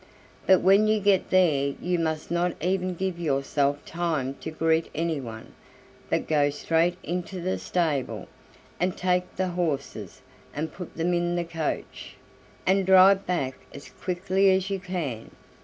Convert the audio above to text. "But when you get there you must not even give yourself time to greet anyone, but go straight into the stable, and take the horses, and put them in the coach, and drive back as quickly as you can.